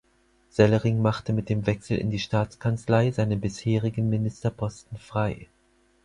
Sellering machte mit dem Wechsel in die Staatskanzlei seinen bisherigen Ministerposten frei.